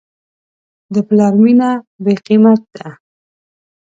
د پلار مینه بېقیمت ده.